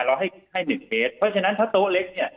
เราให้๑เมตรเพราะฉะนั้นถ้าโต๊ะเล็กเนี่ย